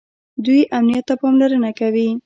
دوی امنیت ته پاملرنه کوي.